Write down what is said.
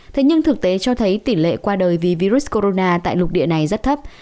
thế nhưng thực tế cho thấy tỷ lệ qua đời vì virus corona tại lục địa này rất thấp